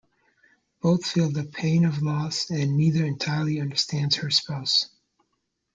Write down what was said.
Both feel the pain of loss and neither entirely understands her spouse.